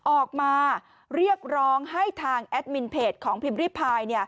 ออกมาเรียกร้องให้ทางแอดมินเพจของพิมพ์ริพาย